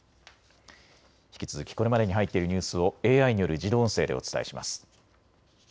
引き続きこれまでに入っているニュースをＡＩによる自動音声でお伝えします。